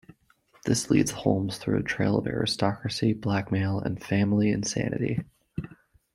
This leads Holmes through a trail of aristocracy, blackmail, and family insanity.